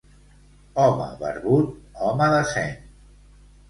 Home barbut, home de seny.